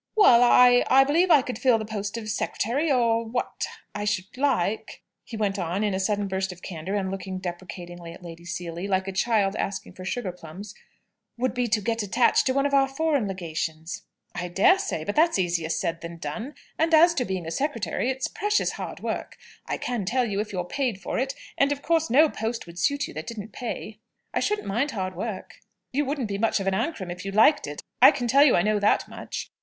"Well, I I believe I could fill the post of secretary, or What I should like," he went on, in a sudden burst of candour, and looking deprecatingly at Lady Seely, like a child asking for sugar plums, "would be to get attached to one of our foreign legations." "I daresay! But that's easier said than done. And as to being a secretary, it's precious hard work, I can tell you, if you're paid for it; and, of course, no post would suit you that didn't pay." "I shouldn't mind hard work." "You wouldn't be much of an Ancram if you liked it; I can tell you I know that much!